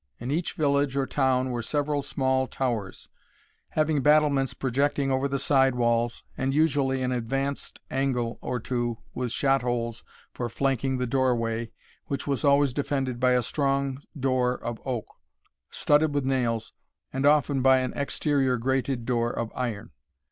In each village or town were several small towers, having battlements projecting over the side walls, and usually an advanced angle or two with shot holes for flanking the door way, which was always defended by a strong door of oak, studded with nails, and often by an exterior grated door of iron.